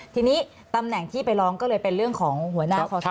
ทีนี้ตำแหน่งที่ไปร้องก็เลยเป็นเรื่องของหัวหน้าคอสช